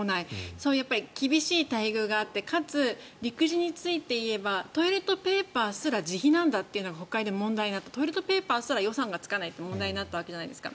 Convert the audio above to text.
そういう厳しい待遇があってかつ、陸自について言えばトイレットペーパーすら自費なんだというのが国会で問題になったトイレットペーパーすら予算がつかないと問題になったわけじゃないですか。